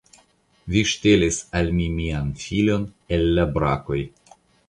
Vi ŝtelis al mi mian filon el la brakoj.